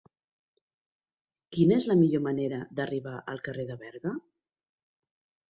Quina és la millor manera d'arribar al carrer de Berga?